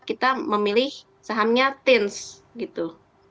kita memilih sahamnya tins gitu